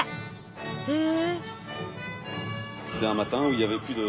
へえ。